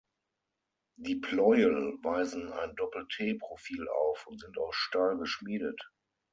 Die Pleuel weisen ein Doppel-T-Profil auf und sind aus Stahl geschmiedet.